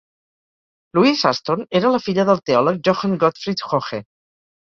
Louise Aston era la filla del teòleg Johann Gottfried Hoche.